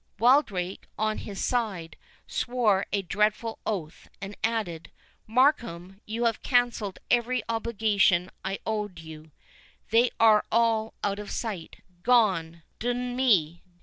Wildrake, on his side, swore a dreadful oath, and added, "Markham, you have cancelled every obligation I owed you—they are all out of sight—gone, d—n me!"